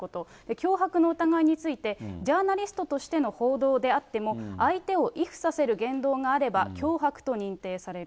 脅迫の疑いについて、ジャーナリストとしての報道であっても、相手を畏怖させる言動があれば、脅迫と認定される。